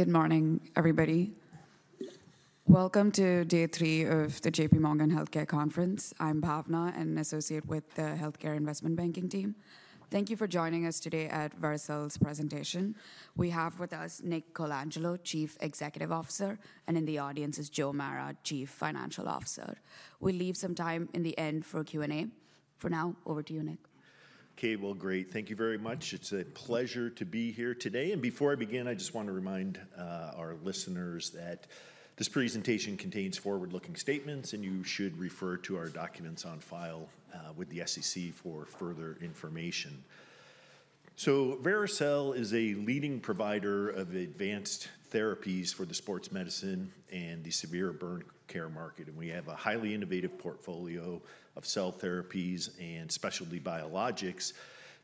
Good morning, everybody. Welcome to Day Three of the JPMorgan Healthcare Conference. I'm Bhavana, an associate with the Healthcare Investment Banking team. Thank you for joining us today at Vericel's presentation. We have with us Nick Colangelo, Chief Executive Officer, and in the audience is Joe Mara, Chief Financial Officer. We'll leave some time in the end for Q&A. For now, over to you, Nick. Okay, well, great. Thank you very much. It's a pleasure to be here today. Before I begin, I just want to remind our listeners that this presentation contains forward-looking statements, and you should refer to our documents on file with the SEC for further information. Vericel is a leading provider of advanced therapies for the sports medicine and the severe burn care market. We have a highly innovative portfolio of cell therapies and specialty biologics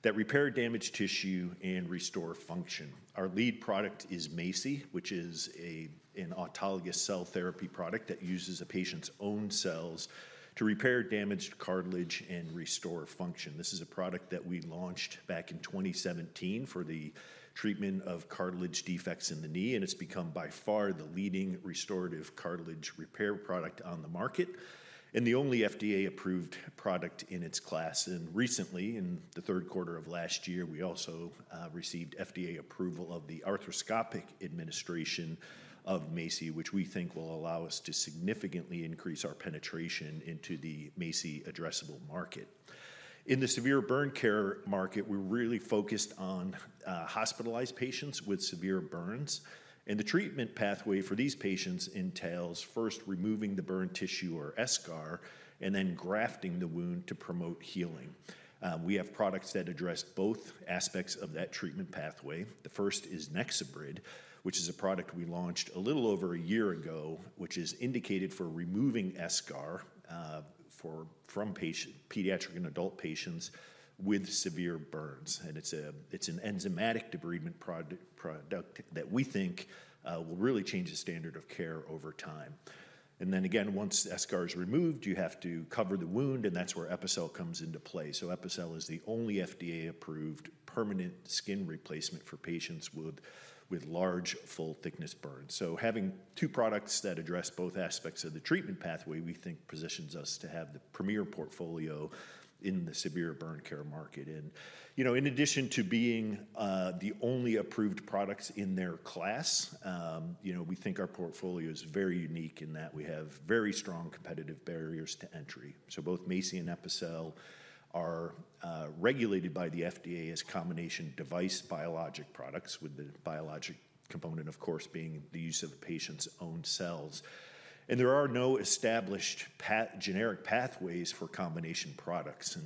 that repair damaged tissue and restore function. Our lead product is MACI, which is an autologous cell therapy product that uses a patient's own cells to repair damaged cartilage and restore function. This is a product that we launched back in 2017 for the treatment of cartilage defects in the knee, and it's become by far the leading restorative cartilage repair product on the market and the only FDA-approved product in its class. Recently, in the third quarter of last year, we also received FDA approval of the arthroscopic administration of MACI, which we think will allow us to significantly increase our penetration into the MACI addressable market. In the severe burn care market, we're really focused on hospitalized patients with severe burns. The treatment pathway for these patients entails first removing the burn tissue or eschar and then grafting the wound to promote healing. We have products that address both aspects of that treatment pathway. The first is NexoBrid, which is a product we launched a little over a year ago, which is indicated for removing eschar from pediatric and adult patients with severe burns, and it's an enzymatic debridement product that we think will really change the standard of care over time. And then again, once eschar is removed, you have to cover the wound, and that's where Epicel comes into play, so Epicel is the only FDA-approved permanent skin replacement for patients with large full-thickness burns. So having two products that address both aspects of the treatment pathway, we think positions us to have the premier portfolio in the severe burn care market, and in addition to being the only approved products in their class, we think our portfolio is very unique in that we have very strong competitive barriers to entry. Both MACI and Epicel are regulated by the FDA as combination device biologic products, with the biologic component, of course, being the use of a patient's own cells. There are no established generic pathways for combination products.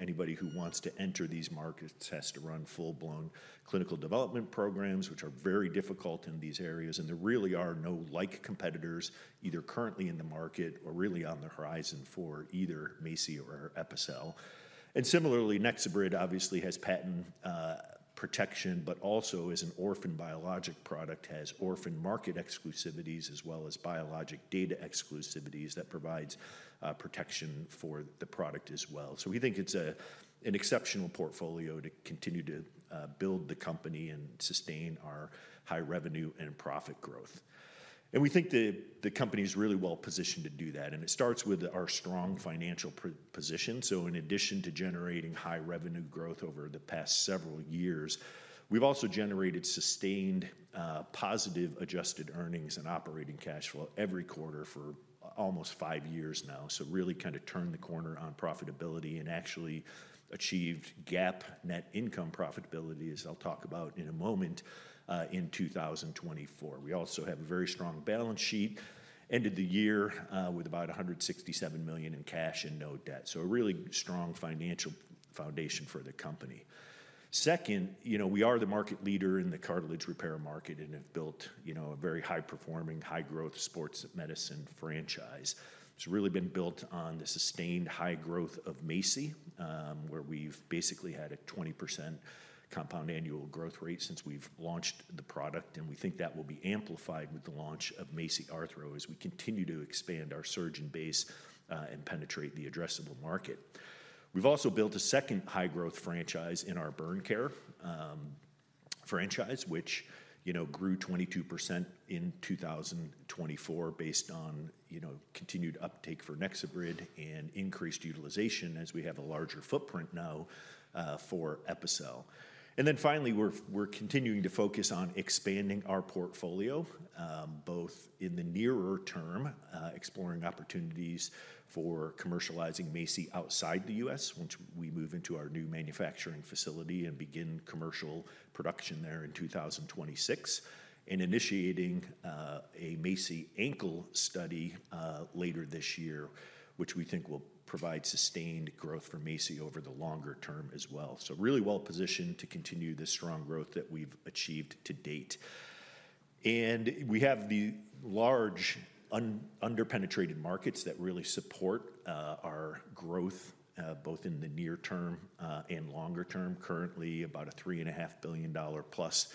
Anybody who wants to enter these markets has to run full-blown clinical development programs, which are very difficult in these areas. There really are no like competitors, either currently in the market or really on the horizon for either MACI or Epicel. Similarly, NexoBrid obviously has patent protection, but also as an orphan biologic product, has orphan market exclusivities as well as biologic data exclusivities that provide protection for the product as well. We think it's an exceptional portfolio to continue to build the company and sustain our high revenue and profit growth. We think the company is really well positioned to do that. It starts with our strong financial position. In addition to generating high revenue growth over the past several years, we've also generated sustained positive adjusted earnings and operating cash flow every quarter for almost five years now. We really kind of turned the corner on profitability and actually achieved GAAP net income profitability, as I'll talk about in a moment, in 2024. We also have a very strong balance sheet, ended the year with about $167 million in cash and no debt. A really strong financial foundation for the company. Second, we are the market leader in the cartilage repair market and have built a very high-performing, high-growth sports medicine franchise. It's really been built on the sustained high growth of MACI, where we've basically had a 20% compound annual growth rate since we've launched the product. And we think that will be amplified with the launch of MACI Arthro as we continue to expand our surgeon base and penetrate the addressable market. We've also built a second high-growth franchise in our burn care franchise, which grew 22% in 2024 based on continued uptake for NexoBrid and increased utilization as we have a larger footprint now for Epicel. And then finally, we're continuing to focus on expanding our portfolio, both in the nearer term, exploring opportunities for commercializing MACI outside the U.S., once we move into our new manufacturing facility and begin commercial production there in 2026, and initiating a MACI Ankle study later this year, which we think will provide sustained growth for MACI over the longer term as well. So really well positioned to continue the strong growth that we've achieved to date. We have the large under-penetrated markets that really support our growth, both in the near term and longer term. Currently, about a $3.5 billion plus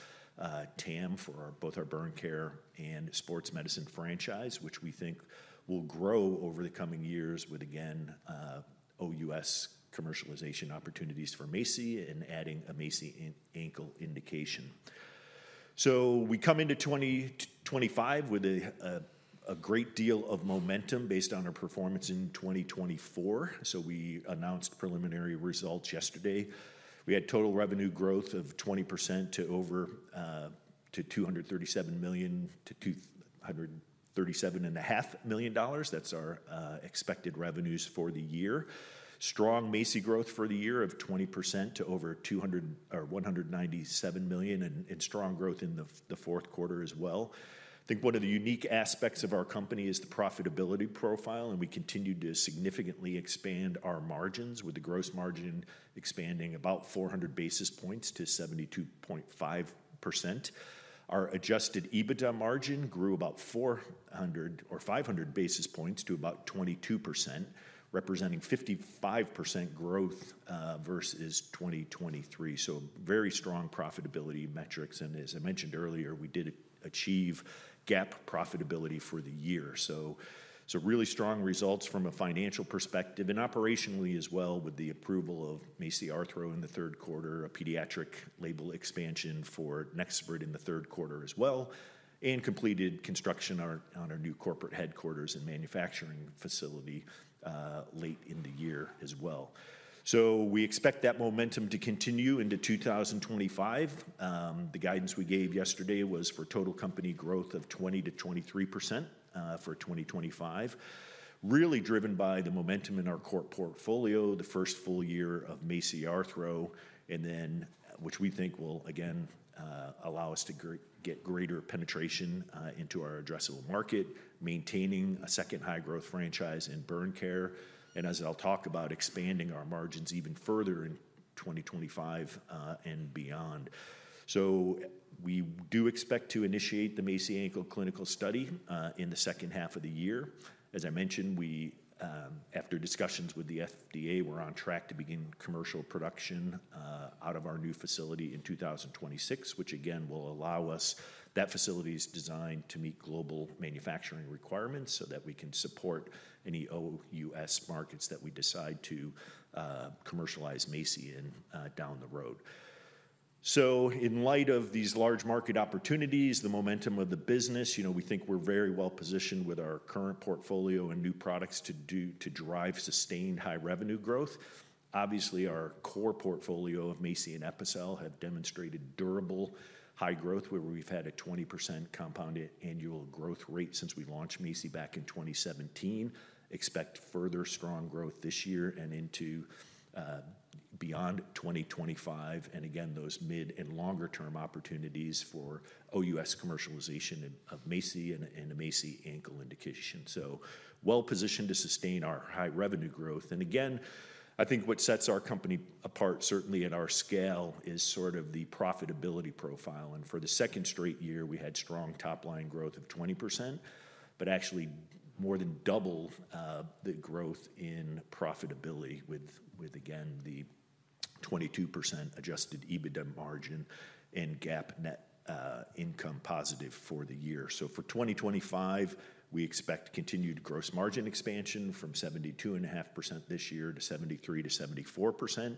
TAM for both our burn care and sports medicine franchise, which we think will grow over the coming years with, again, OUS commercialization opportunities for MACI and adding a MACI Ankle indication. We come into 2025 with a great deal of momentum based on our performance in 2024. We announced preliminary results yesterday. We had total revenue growth of 20% to $237-$237.5 million. That's our expected revenues for the year. Strong MACI growth for the year of 20% to over $197 million and strong growth in the fourth quarter as well. I think one of the unique aspects of our company is the profitability profile, and we continue to significantly expand our margins, with the gross margin expanding about 400 basis points to 72.5%. Our Adjusted EBITDA margin grew about 500 basis points to about 22%, representing 55% growth versus 2023. So very strong profitability metrics. And as I mentioned earlier, we did achieve GAAP profitability for the year. So really strong results from a financial perspective and operationally as well, with the approval of MACI Arthro in the third quarter, a pediatric label expansion for NexoBrid in the third quarter as well, and completed construction on our new corporate headquarters and manufacturing facility late in the year as well. So we expect that momentum to continue into 2025. The guidance we gave yesterday was for total company growth of 20%-23% for 2025, really driven by the momentum in our core portfolio, the first full year of MACI Arthro, which we think will, again, allow us to get greater penetration into our addressable market, maintaining a second high-growth franchise in burn care, and as I'll talk about, expanding our margins even further in 2025 and beyond. So we do expect to initiate the MACI Ankle clinical study in the second half of the year. As I mentioned, after discussions with the FDA, we're on track to begin commercial production out of our new facility in 2026, which, again, will allow us. That facility is designed to meet global manufacturing requirements so that we can support any OUS markets that we decide to commercialize MACI in down the road. So in light of these large market opportunities, the momentum of the business, we think we're very well positioned with our current portfolio and new products to drive sustained high revenue growth. Obviously, our core portfolio of MACI and Epicel have demonstrated durable high growth, where we've had a 20% compound annual growth rate since we launched MACI back in 2017. Expect further strong growth this year and into beyond 2025. And again, those mid and longer-term opportunities for OUS commercialization of MACI and the MACI Ankle indication. So well positioned to sustain our high revenue growth. And again, I think what sets our company apart, certainly at our scale, is sort of the profitability profile. For the second straight year, we had strong top-line growth of 20%, but actually more than double the growth in profitability with, again, the 22% adjusted EBITDA margin and GAAP net income positive for the year. For 2025, we expect continued gross margin expansion from 72.5% this year to 73%-74%.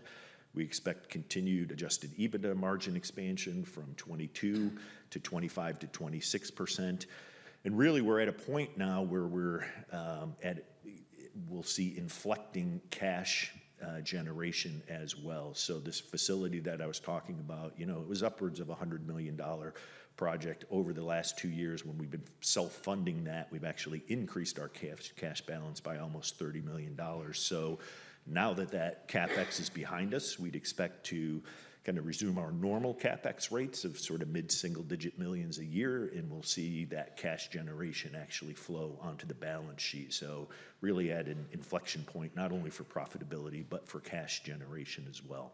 We expect continued adjusted EBITDA margin expansion from 22% to 25%-26%. Really, we're at a point now where we'll see inflecting cash generation as well. This facility that I was talking about, it was upwards of a $100 million project over the last two years when we've been self-funding that. We've actually increased our cash balance by almost $30 million. Now that that CapEx is behind us, we'd expect to kind of resume our normal CapEx rates of sort of mid-single-digit millions a year, and we'll see that cash generation actually flow onto the balance sheet. Really at an inflection point, not only for profitability, but for cash generation as well.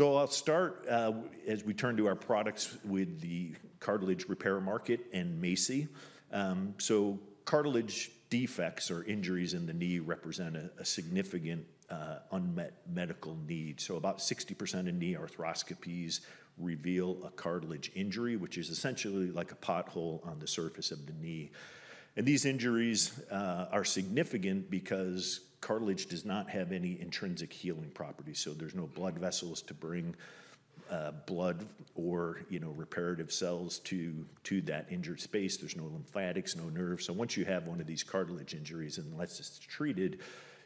I'll start as we turn to our products with the cartilage repair market and MACI. Cartilage defects or injuries in the knee represent a significant unmet medical need. About 60% of knee arthroscopies reveal a cartilage injury, which is essentially like a pothole on the surface of the knee. These injuries are significant because cartilage does not have any intrinsic healing properties. There's no blood vessels to bring blood or reparative cells to that injured space. There's no lymphatics, no nerves. So once you have one of these cartilage injuries and it's treated,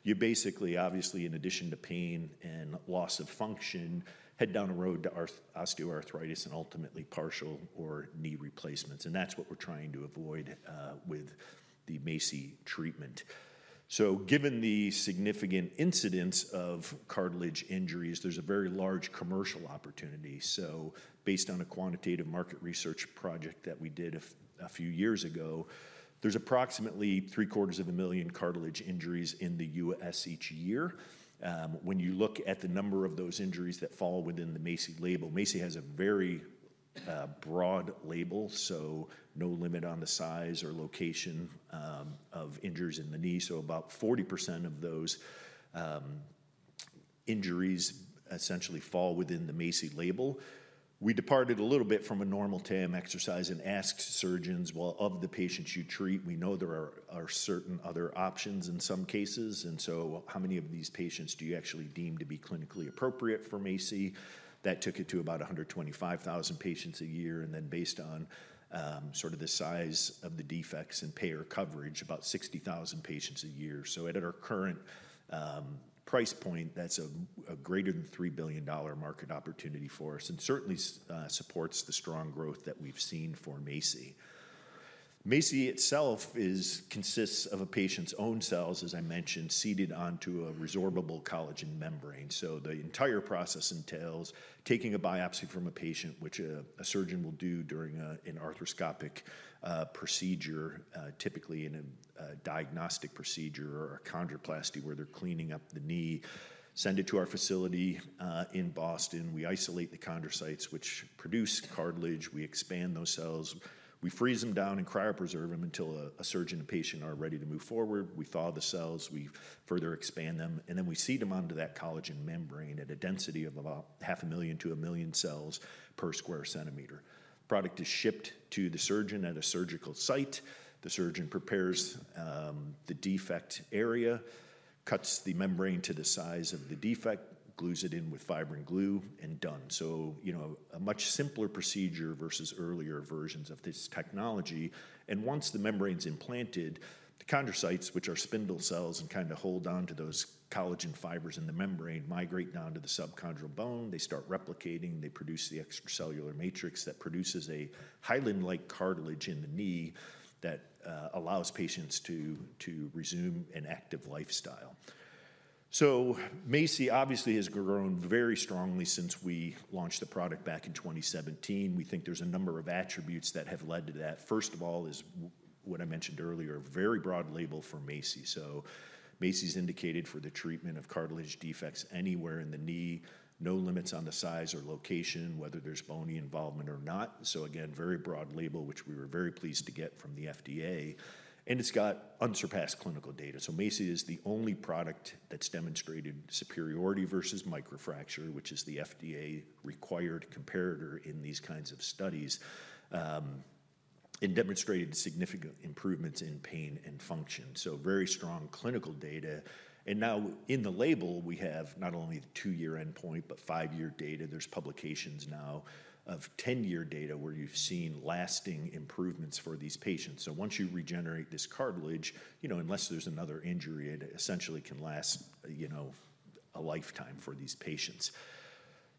you basically, obviously, in addition to pain and loss of function, head down the road to osteoarthritis and ultimately partial or knee replacements. And that's what we're trying to avoid with the MACI treatment. So given the significant incidence of cartilage injuries, there's a very large commercial opportunity. So based on a quantitative market research project that we did a few years ago, there's approximately 3/4 of a million cartilage injuries in the U.S. each year. When you look at the number of those injuries that fall within the MACI label, MACI has a very broad label, so no limit on the size or location of injuries in the knee. So about 40% of those injuries essentially fall within the MACI label. We departed a little bit from a normal TAM exercise and asked surgeons, "Well, of the patients you treat, we know there are certain other options in some cases. And so how many of these patients do you actually deem to be clinically appropriate for MACI?" That took it to about 125,000 patients a year. And then based on sort of the size of the defects and payer coverage, about 60,000 patients a year. So at our current price point, that's a greater than $3 billion market opportunity for us and certainly supports the strong growth that we've seen for MACI. MACI itself consists of a patient's own cells, as I mentioned, seated onto a resorbable collagen membrane. So the entire process entails taking a biopsy from a patient, which a surgeon will do during an arthroscopic procedure, typically in a diagnostic procedure or a chondroplasty where they're cleaning up the knee, send it to our facility in Boston. We isolate the chondrocytes, which produce cartilage. We expand those cells. We freeze them down and cryopreserve them until a surgeon and a patient are ready to move forward. We thaw the cells. We further expand them. And then we seed them onto that collagen membrane at a density of about 500,000-1,000,000 cells per sq cm. The product is shipped to the surgeon at a surgical site. The surgeon prepares the defect area, cuts the membrane to the size of the defect, glues it in with fibrin glue, and done. So a much simpler procedure versus earlier versions of this technology. And once the membrane's implanted, the chondrocytes, which are spindle cells and kind of hold on to those collagen fibers in the membrane, migrate down to the subchondral bone. They start replicating. They produce the extracellular matrix that produces a hyaline-like cartilage in the knee that allows patients to resume an active lifestyle. So MACI obviously has grown very strongly since we launched the product back in 2017. We think there's a number of attributes that have led to that. First of all, is what I mentioned earlier, a very broad label for MACI. So MACI is indicated for the treatment of cartilage defects anywhere in the knee. No limits on the size or location, whether there's bony involvement or not. So again, very broad label, which we were very pleased to get from the FDA. And it's got unsurpassed clinical data. So MACI is the only product that's demonstrated superiority versus microfracture, which is the FDA-required comparator in these kinds of studies, and demonstrated significant improvements in pain and function, so very strong clinical data, and now in the label, we have not only the two-year endpoint, but five-year data. There's publications now of 10-year data where you've seen lasting improvements for these patients, so once you regenerate this cartilage, unless there's another injury, it essentially can last a lifetime for these patients,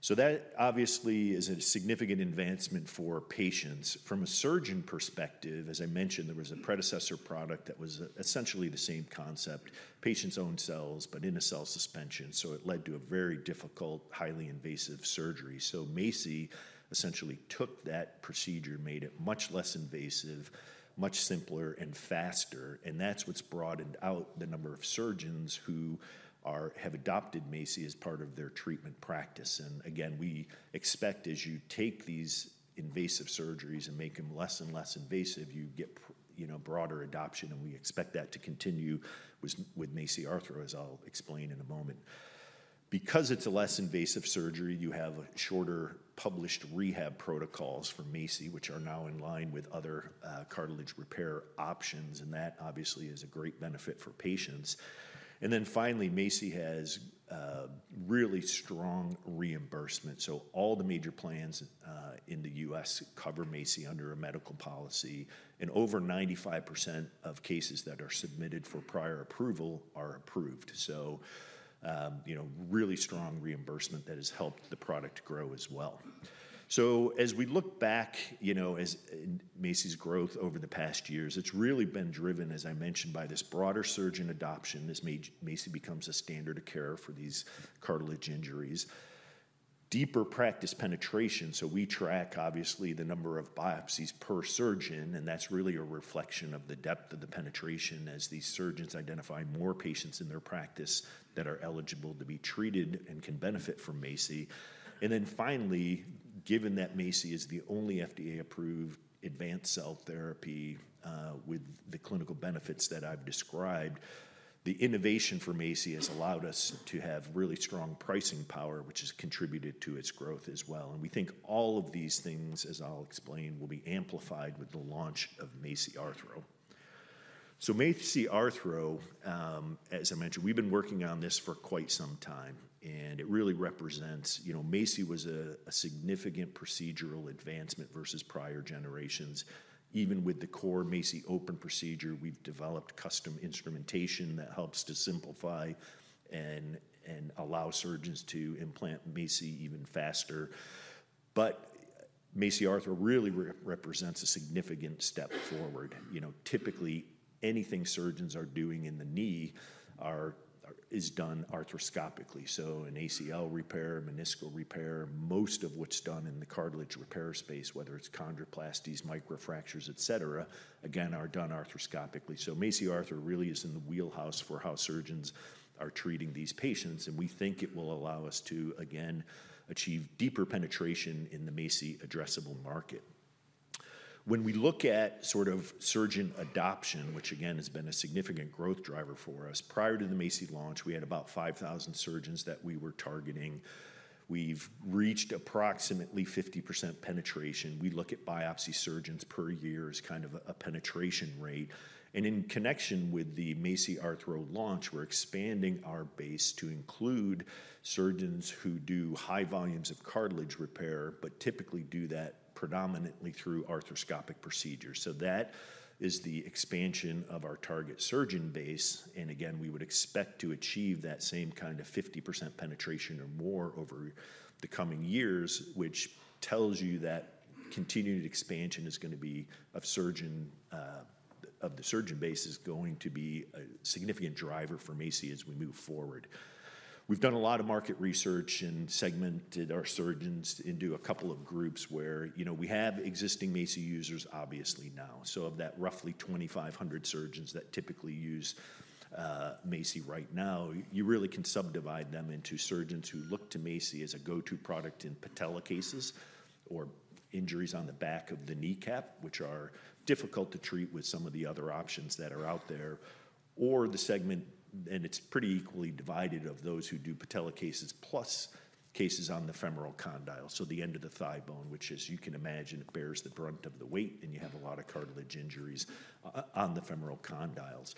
so that obviously is a significant advancement for patients. From a surgeon perspective, as I mentioned, there was a predecessor product that was essentially the same concept: patients' own cells, but in a cell suspension, so it led to a very difficult, highly invasive surgery, so MACI essentially took that procedure, made it much less invasive, much simpler, and faster. That's what's broadened out the number of surgeons who have adopted MACI as part of their treatment practice. Again, we expect as you take these invasive surgeries and make them less and less invasive, you get broader adoption. We expect that to continue with MACI Arthro, as I'll explain in a moment. Because it's a less invasive surgery, you have shorter published rehab protocols for MACI, which are now in line with other cartilage repair options. That obviously is a great benefit for patients. Then finally, MACI has really strong reimbursement. All the major plans in the U.S. cover MACI under a medical policy. Over 95% of cases that are submitted for prior approval are approved. Really strong reimbursement that has helped the product grow as well. So as we look back, MACI's growth over the past years, it's really been driven, as I mentioned, by this broader surgeon adoption. This MACI becomes a standard of care for these cartilage injuries. Deeper practice penetration. So we track, obviously, the number of biopsies per surgeon. And that's really a reflection of the depth of the penetration as these surgeons identify more patients in their practice that are eligible to be treated and can benefit from MACI. And then finally, given that MACI is the only FDA-approved advanced cell therapy with the clinical benefits that I've described, the innovation for MACI has allowed us to have really strong pricing power, which has contributed to its growth as well. And we think all of these things, as I'll explain, will be amplified with the launch of MACI Arthro. MACI Arthro, as I mentioned, we've been working on this for quite some time. And it really represents MACI was a significant procedural advancement versus prior generations. Even with the core MACI open procedure, we've developed custom instrumentation that helps to simplify and allow surgeons to implant MACI even faster. But MACI Arthro really represents a significant step forward. Typically, anything surgeons are doing in the knee is done arthroscopically. So an ACL repair, meniscal repair, most of what's done in the cartilage repair space, whether it's chondroplasties, microfractures, etc., again, are done arthroscopically. So MACI Arthro really is in the wheelhouse for how surgeons are treating these patients. And we think it will allow us to, again, achieve deeper penetration in the MACI addressable market. When we look at sort of surgeon adoption, which again has been a significant growth driver for us, prior to the MACI launch, we had about 5,000 surgeons that we were targeting. We've reached approximately 50% penetration. We look at biopsy surgeons per year as kind of a penetration rate, and in connection with the MACI Arthro launch, we're expanding our base to include surgeons who do high volumes of cartilage repair, but typically do that predominantly through arthroscopic procedures, so that is the expansion of our target surgeon base, and again, we would expect to achieve that same kind of 50% penetration or more over the coming years, which tells you that continued expansion of the surgeon base is going to be a significant driver for MACI as we move forward. We've done a lot of market research and segmented our surgeons into a couple of groups where we have existing MACI users obviously now. So of that roughly 2,500 surgeons that typically use MACI right now, you really can subdivide them into surgeons who look to MACI as a go-to product in patella cases or injuries on the back of the kneecap, which are difficult to treat with some of the other options that are out there, or the segment, and it's pretty equally divided of those who do patella cases plus cases on the femoral condyle, so the end of the thigh bone, which, as you can imagine, bears the brunt of the weight, and you have a lot of cartilage injuries on the femoral condyles.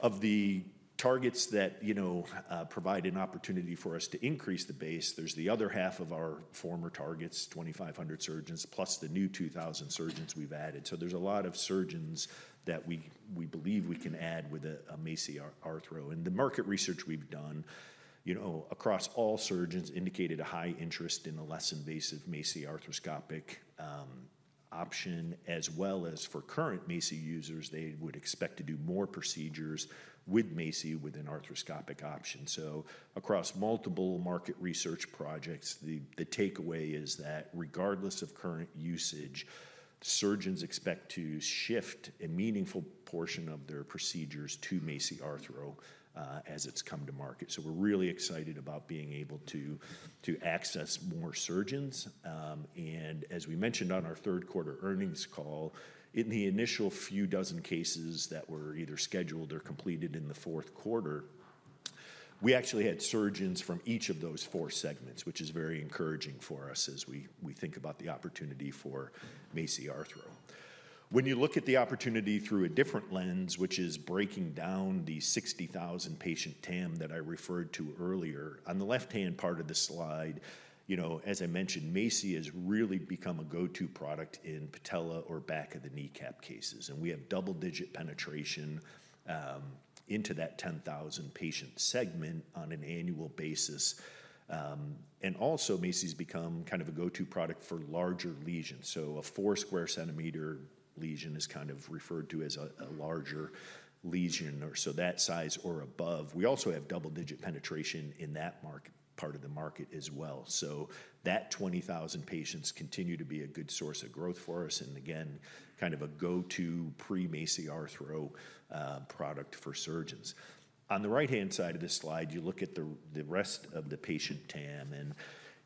Of the targets that provide an opportunity for us to increase the base, there's the other half of our former targets, 2,500 surgeons plus the new 2,000 surgeons we've added. So there's a lot of surgeons that we believe we can add with a MACI Arthro. And the market research we've done across all surgeons indicated a high interest in a less invasive MACI arthroscopic option, as well as for current MACI users, they would expect to do more procedures with MACI with an arthroscopic option. So across multiple market research projects, the takeaway is that regardless of current usage, surgeons expect to shift a meaningful portion of their procedures to MACI Arthro as it's come to market. So we're really excited about being able to access more surgeons. And as we mentioned on our third quarter earnings call, in the initial few dozen cases that were either scheduled or completed in the fourth quarter, we actually had surgeons from each of those four segments, which is very encouraging for us as we think about the opportunity for MACI Arthro. When you look at the opportunity through a different lens, which is breaking down the 60,000 patient TAM that I referred to earlier, on the left-hand part of the slide, as I mentioned, MACI has really become a go-to product in patella or back of the kneecap cases. And we have double-digit penetration into that 10,000 patient segment on an annual basis. And also, MACI has become kind of a go-to product for larger lesions. So a four-square-centimeter lesion is kind of referred to as a larger lesion, or so that size or above. We also have double-digit penetration in that part of the market as well. So that 20,000 patients continue to be a good source of growth for us and, again, kind of a go-to pre-MACI Arthro product for surgeons. On the right-hand side of this slide, you look at the rest of the patient TAM.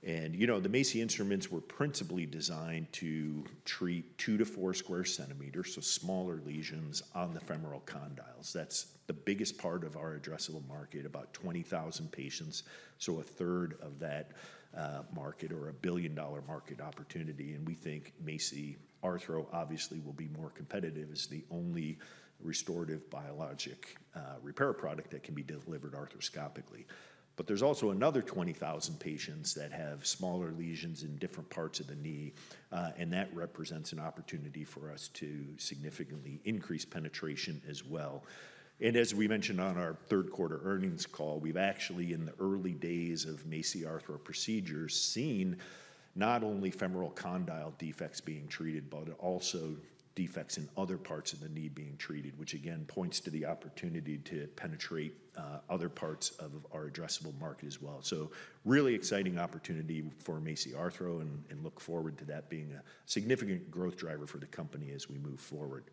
And the MACI instruments were principally designed to treat two to four square centimeters, so smaller lesions on the femoral condyles. That's the biggest part of our addressable market, about 20,000 patients, so a third of that market or a billion-dollar market opportunity. And we think MACI Arthro, obviously, will be more competitive as the only restorative biologic repair product that can be delivered arthroscopically. But there's also another 20,000 patients that have smaller lesions in different parts of the knee. And that represents an opportunity for us to significantly increase penetration as well. And as we mentioned on our third quarter earnings call, we've actually, in the early days of MACI Arthro procedures, seen not only femoral condyle defects being treated, but also defects in other parts of the knee being treated, which again points to the opportunity to penetrate other parts of our addressable market as well. So really exciting opportunity for MACI Arthro and look forward to that being a significant growth driver for the company as we move forward.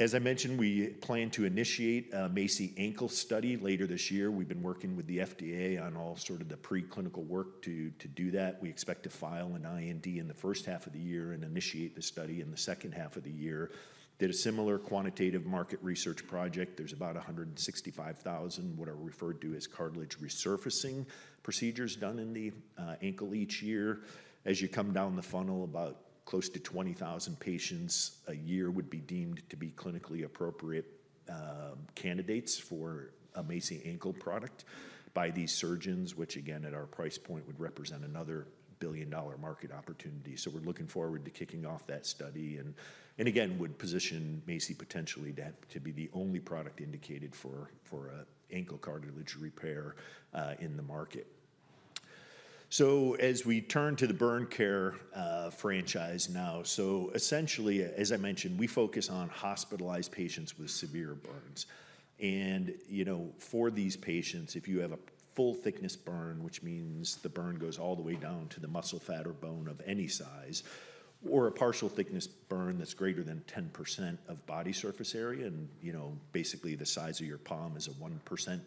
As I mentioned, we plan to initiate a MACI Ankle study later this year. We've been working with the FDA on all sort of the preclinical work to do that. We expect to file an IND in the first half of the year and initiate the study in the second half of the year. Did a similar quantitative market research project. There's about 165,000, what are referred to as cartilage resurfacing procedures done in the ankle each year. As you come down the funnel, about close to 20,000 patients a year would be deemed to be clinically appropriate candidates for a MACI Ankle product by these surgeons, which again, at our price point, would represent another billion-dollar market opportunity. So we're looking forward to kicking off that study and, again, would position MACI potentially to be the only product indicated for an ankle cartilage repair in the market. So as we turn to the burn care franchise now, so essentially, as I mentioned, we focus on hospitalized patients with severe burns. For these patients, if you have a full-thickness burn, which means the burn goes all the way down to the muscle fat or bone of any size, or a partial-thickness burn that's greater than 10% of body surface area, and basically the size of your palm is a 1%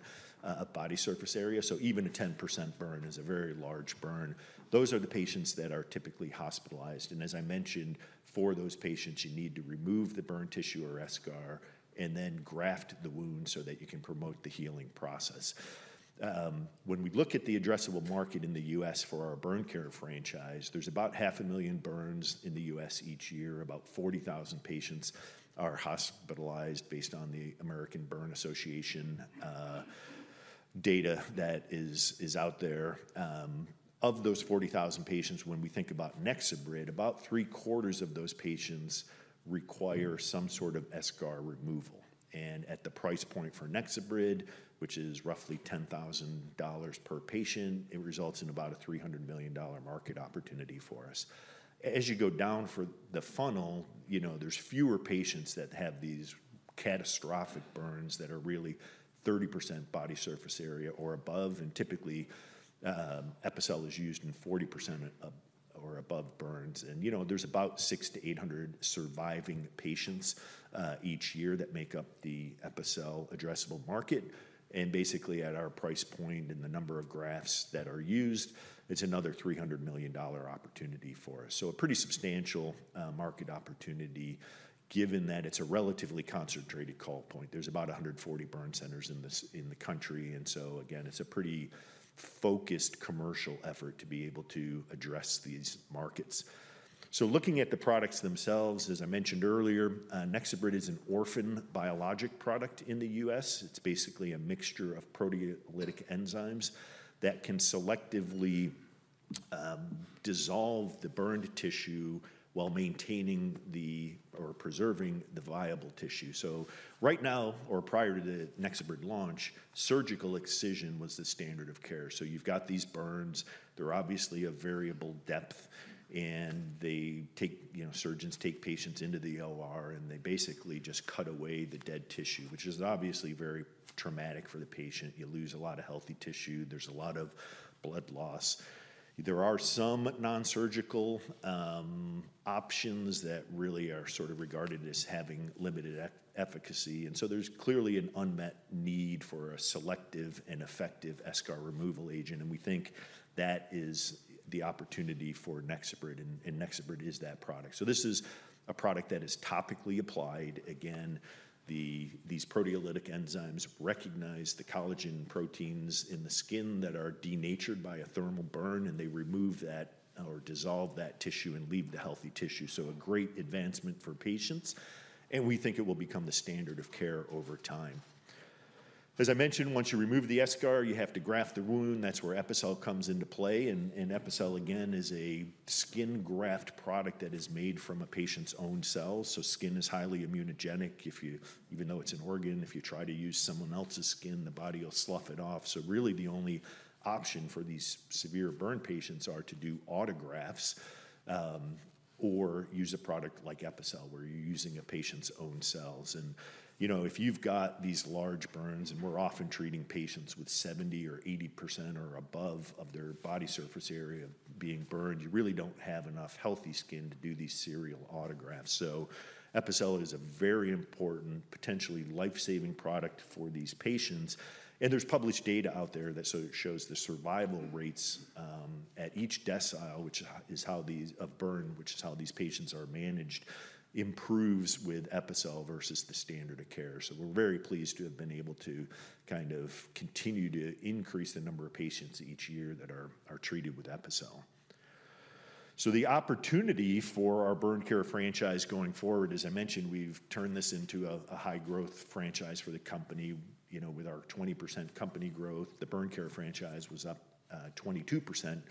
of body surface area, so even a 10% burn is a very large burn, those are the patients that are typically hospitalized. As I mentioned, for those patients, you need to remove the burn tissue or eschar and then graft the wound so that you can promote the healing process. When we look at the addressable market in the U.S. for our burn care franchise, there's about 500,000 burns in the U.S. each year. About 40,000 patients are hospitalized based on the American Burn Association data that is out there. Of those 40,000 patients, when we think about NexoBrid, about three-quarters of those patients require some sort of eschar removal. And at the price point for NexoBrid, which is roughly $10,000 per patient, it results in about a $300 million market opportunity for us. As you go down the funnel, there's fewer patients that have these catastrophic burns that are really 30% body surface area or above. And typically, Epicel is used in 40% or above burns. And there's about 600-800 surviving patients each year that make up the Epicel addressable market. And basically, at our price point and the number of grafts that are used, it's another $300 million opportunity for us. So a pretty substantial market opportunity given that it's a relatively concentrated call point. There's about 140 burn centers in the country. And so, again, it's a pretty focused commercial effort to be able to address these markets. So looking at the products themselves, as I mentioned earlier, NexoBrid is an orphan biologic product in the U.S. It's basically a mixture of proteolytic enzymes that can selectively dissolve the burned tissue while maintaining or preserving the viable tissue. So right now, or prior to the NexoBrid launch, surgical excision was the standard of care. So you've got these burns. They're obviously of variable depth. And surgeons take patients into the OR, and they basically just cut away the dead tissue, which is obviously very traumatic for the patient. You lose a lot of healthy tissue. There's a lot of blood loss. There are some nonsurgical options that really are sort of regarded as having limited efficacy. And so there's clearly an unmet need for a selective and effective eschar removal agent. We think that is the opportunity for NexoBrid. NexoBrid is that product. This is a product that is topically applied. Again, these proteolytic enzymes recognize the collagen proteins in the skin that are denatured by a thermal burn, and they remove that or dissolve that tissue and leave the healthy tissue. It is a great advancement for patients. We think it will become the standard of care over time. As I mentioned, once you remove the eschar, you have to graft the wound. That is where Epicel comes into play. Epicel, again, is a skin graft product that is made from a patient's own cells. Skin is highly immunogenic. Even though it is an organ, if you try to use someone else's skin, the body will slough it off. So really, the only option for these severe burn patients is to do autografts or use a product like Epicel where you're using a patient's own cells. And if you've got these large burns, and we're often treating patients with 70% or 80% or above of their body surface area being burned, you really don't have enough healthy skin to do these serial autografts. So Epicel is a very important, potentially life-saving product for these patients. And there's published data out there that shows the survival rates at each decile, which is how these patients are managed, improves with Epicel versus the standard of care. So we're very pleased to have been able to kind of continue to increase the number of patients each year that are treated with Epicel. So the opportunity for our burn care franchise going forward, as I mentioned, we've turned this into a high-growth franchise for the company. With our 20% company growth, the burn care franchise was up 22%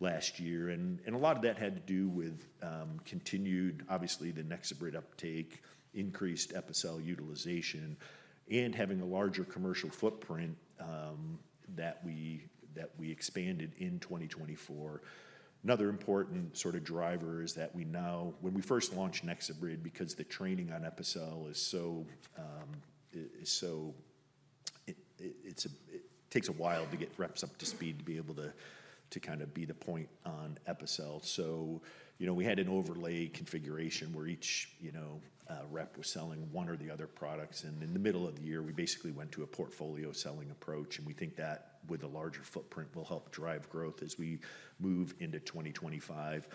last year. And a lot of that had to do with continued, obviously, the NexoBrid uptake, increased Epicel utilization, and having a larger commercial footprint that we expanded in 2024. Another important sort of driver is that we know when we first launched NexoBrid, because the training on Epicel is so it takes a while to get reps up to speed to be able to kind of be the point on Epicel. So we had an overlay configuration where each rep was selling one or the other products. And in the middle of the year, we basically went to a portfolio selling approach. We think that with a larger footprint will help drive growth as we move into 2025.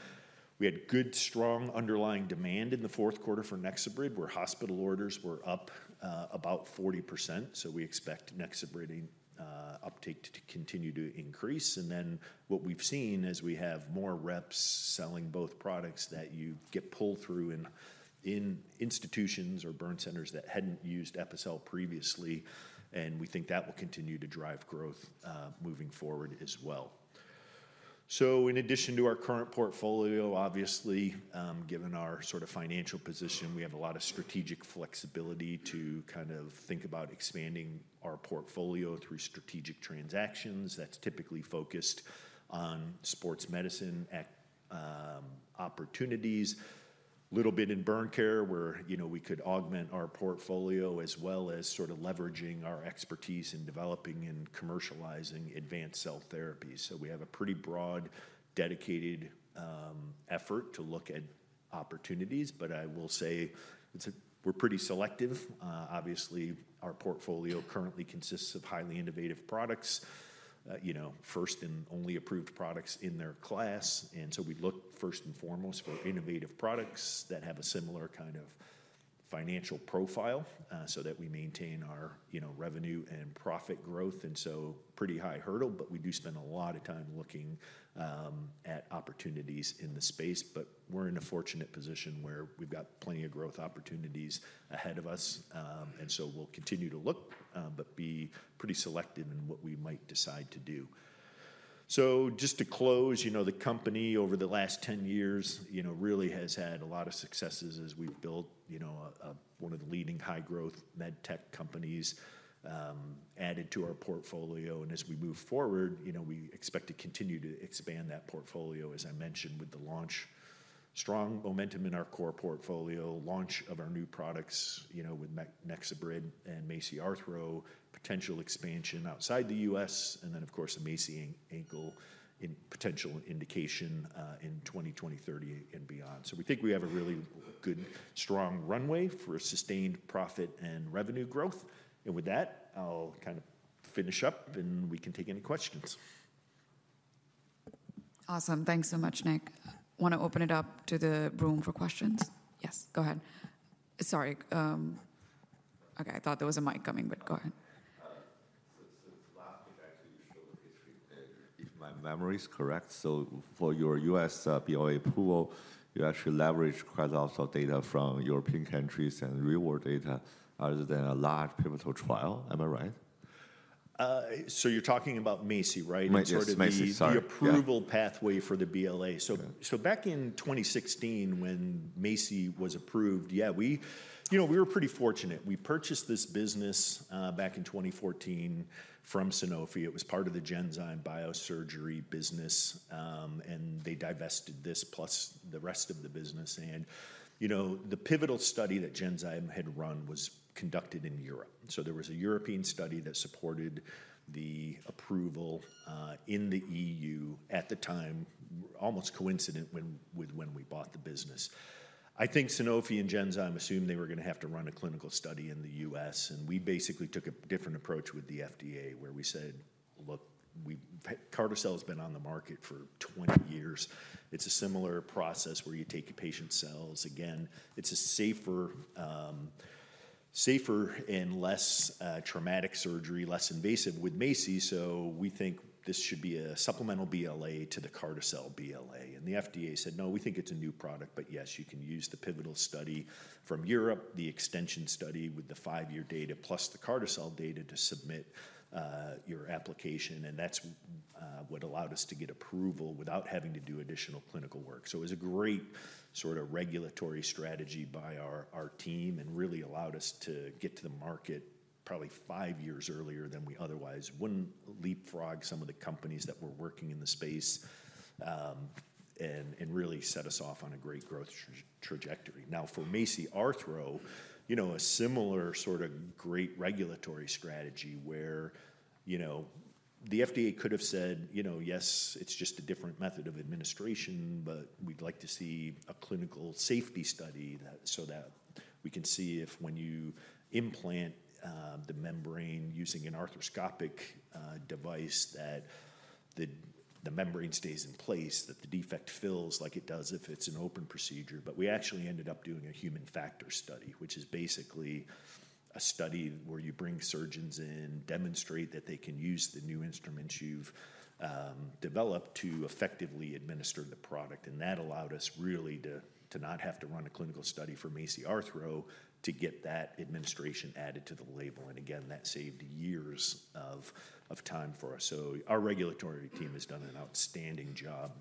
We had good, strong underlying demand in the fourth quarter for NexoBrid where hospital orders were up about 40%. We expect NexoBrid uptake to continue to increase. What we've seen as we have more reps selling both products that you get pulled through in institutions or burn centers that hadn't used Epicel previously. We think that will continue to drive growth moving forward as well. In addition to our current portfolio, obviously, given our sort of financial position, we have a lot of strategic flexibility to kind of think about expanding our portfolio through strategic transactions. That's typically focused on sports medicine opportunities. A little bit in burn care where we could augment our portfolio as well as sort of leveraging our expertise in developing and commercializing advanced cell therapies. So we have a pretty broad, dedicated effort to look at opportunities. But I will say we're pretty selective. Obviously, our portfolio currently consists of highly innovative products, first and only approved products in their class. And so we look first and foremost for innovative products that have a similar kind of financial profile so that we maintain our revenue and profit growth. And so pretty high hurdle, but we do spend a lot of time looking at opportunities in the space. But we're in a fortunate position where we've got plenty of growth opportunities ahead of us. And so we'll continue to look, but be pretty selective in what we might decide to do. So, just to close, the company over the last 10 years really has had a lot of successes as we've built one of the leading high-growth med tech companies added to our portfolio. And as we move forward, we expect to continue to expand that portfolio, as I mentioned, with the launch, strong momentum in our core portfolio, launch of our new products with NexoBrid and MACI Arthro, potential expansion outside the U.S., and then, of course, the MACI Ankle in potential indication in 2030, and beyond. So we think we have a really good, strong runway for sustained profit and revenue growth. And with that, I'll kind of finish up, and we can take any questions. Awesome. Thanks so much, Nick. Want to open it up to the room for questions? Yes, go ahead. Sorry. Okay, I thought there was a mic coming, but go ahead. So, last thing I do, just to check if my memory is correct. So, for your U.S. BLA approval, you actually leverage quite a lot of data from European countries and real-world data rather than a large pivotal trial. Am I right? So you're talking about MACI, right? Yes, MACI, sorry. The approval pathway for the BLA. So back in 2016, when MACI was approved, yeah, we were pretty fortunate. We purchased this business back in 2014 from Sanofi. It was part of the Genzyme Biosurgery business, and they divested this plus the rest of the business. And the pivotal study that Genzyme had run was conducted in Europe. So there was a European study that supported the approval in the EU at the time, almost coincident with when we bought the business. I think Sanofi and Genzyme assumed they were going to have to run a clinical study in the U.S. And we basically took a different approach with the FDA where we said, "Look, Carticel has been on the market for 20 years. It's a similar process where you take patient cells. Again, it's a safer and less traumatic surgery, less invasive with MACI. So we think this should be a supplemental BLA to the Carticel BLA." And the FDA said, "No, we think it's a new product, but yes, you can use the pivotal study from Europe, the extension study with the five-year data plus the Carticel data to submit your application." And that's what allowed us to get approval without having to do additional clinical work. So it was a great sort of regulatory strategy by our team and really allowed us to get to the market probably five years earlier than we otherwise wouldn't leapfrog some of the companies that were working in the space and really set us off on a great growth trajectory. Now, for MACI Arthro, a similar sort of great regulatory strategy where the FDA could have said, "Yes, it's just a different method of administration, but we'd like to see a clinical safety study so that we can see if when you implant the membrane using an arthroscopic device that the membrane stays in place, that the defect fills like it does if it's an open procedure." But we actually ended up doing a human factors study, which is basically a study where you bring surgeons in, demonstrate that they can use the new instruments you've developed to effectively administer the product. And that allowed us really to not have to run a clinical study for MACI Arthro to get that administration added to the label. And again, that saved years of time for us. Our regulatory team has done an outstanding job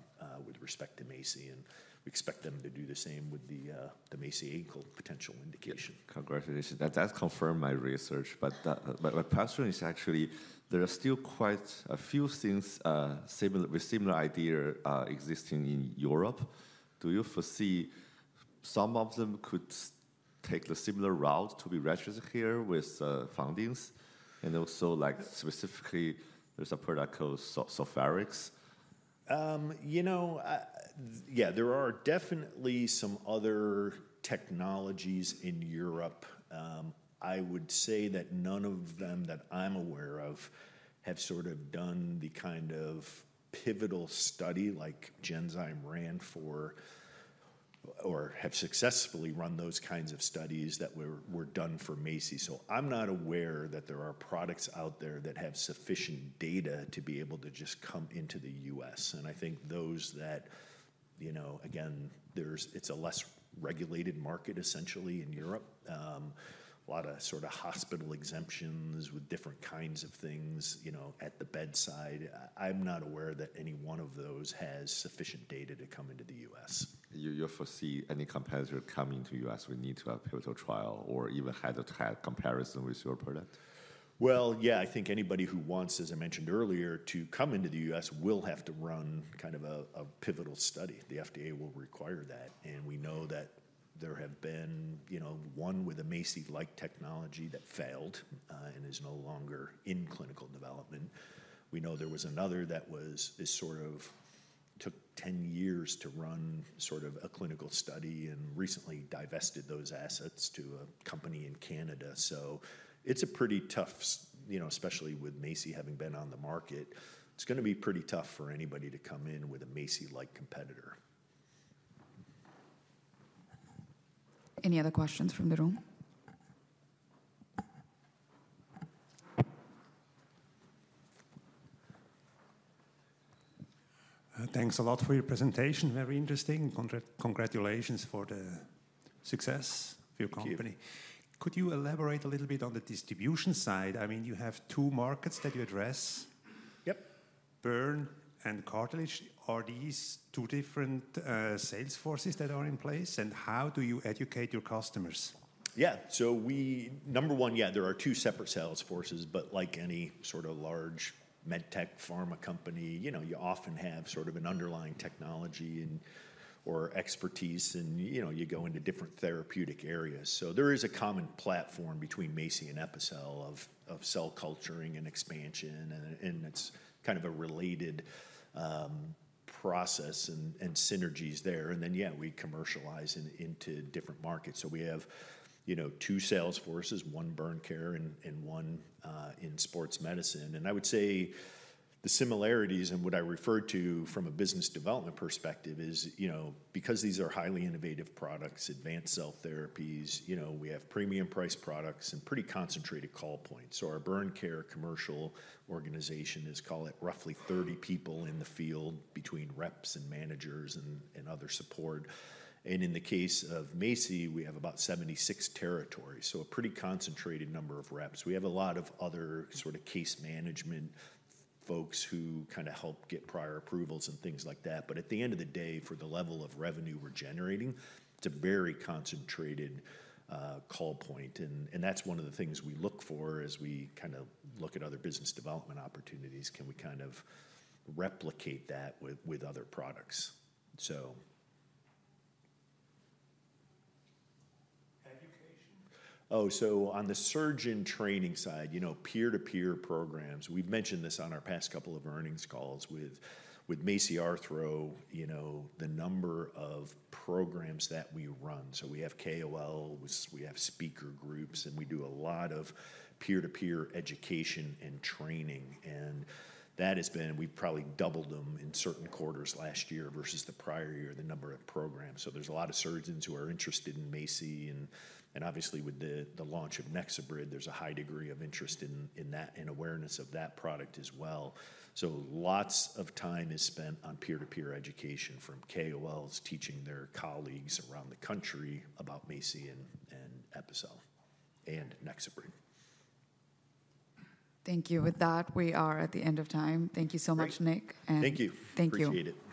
with respect to MACI, and we expect them to do the same with the MACI Ankle potential indication. Congratulations. That does confirm my research. But my question is actually, there are still quite a few things with similar ideas existing in Europe. Do you foresee some of them could take the similar route to be registered here with fundings? And also, specifically, there's a product called Spherox. Yeah, there are definitely some other technologies in Europe. I would say that none of them that I'm aware of have sort of done the kind of pivotal study like Genzyme ran for or have successfully run those kinds of studies that were done for MACI, so I'm not aware that there are products out there that have sufficient data to be able to just come into the U.S., and I think those that, again, it's a less regulated market essentially in Europe, a lot of sort of hospital exemptions with different kinds of things at the bedside. I'm not aware that any one of those has sufficient data to come into the U.S. You foresee any competitor coming to the U.S. will need to have a pivotal trial or even had to have comparison with your product? Well, yeah, I think anybody who wants, as I mentioned earlier, to come into the U.S. will have to run kind of a pivotal study. The FDA will require that. And we know that there have been one with a MACI-like technology that failed and is no longer in clinical development. We know there was another that sort of took 10 years to run sort of a clinical study and recently divested those assets to a company in Canada. So it's a pretty tough, especially with MACI having been on the market, it's going to be pretty tough for anybody to come in with a MACI-like competitor. Any other questions from the room? Thanks a lot for your presentation. Very interesting. Congratulations for the success of your company. Thank you. Could you elaborate a little bit on the distribution side? I mean, you have two markets that you address. Yep. Burn and cartilage. Are these two different sales forces that are in place? And how do you educate your customers? Yeah. So number one, yeah, there are two separate sales forces, but like any sort of large med tech pharma company, you often have sort of an underlying technology or expertise, and you go into different therapeutic areas. So there is a common platform between MACI and Epicel of cell culturing and expansion, and it's kind of a related process and synergies there. And then, yeah, we commercialize into different markets. So we have two sales forces, one burn care and one in sports medicine. And I would say the similarities and what I refer to from a business development perspective is because these are highly innovative products, advanced cell therapies, we have premium-priced products and pretty concentrated call points. So our burn care commercial organization is, call it roughly 30 people in the field between reps and managers and other support. In the case of MACI, we have about 76 territories, so a pretty concentrated number of reps. We have a lot of other sort of case management folks who kind of help get prior approvals and things like that. But at the end of the day, for the level of revenue we're generating, it's a very concentrated call point, and that's one of the things we look for as we kind of look at other business development opportunities. Can we kind of replicate that with other products? Oh, so on the surgeon training side, peer-to-peer programs. We've mentioned this on our past couple of earnings calls with MACI Arthro, the number of programs that we run. So we have KOL, we have speaker groups, and we do a lot of peer-to-peer education and training. And that has been, we've probably doubled them in certain quarters last year versus the prior year, the number of programs. So there's a lot of surgeons who are interested in MACI. And obviously, with the launch of NexoBrid, there's a high degree of interest in that and awareness of that product as well. So lots of time is spent on peer-to-peer education from KOLs teaching their colleagues around the country about MACI and Epicel and NexoBrid. Thank you. With that, we are at the end of time. Thank you so much, Nick. Thank you. Thank you. Appreciate it.